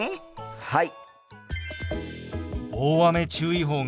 はい！